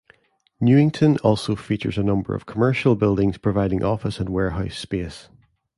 Newington also features a number of commercial buildings providing office and warehouse space.